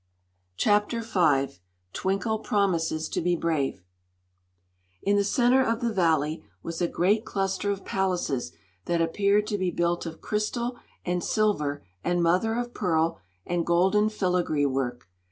Chapter V Twinkle Promises to Be Brave IN the center of the valley was a great cluster of palaces that appeared to be built of crystal and silver and mother of pearl, and golden filigree work.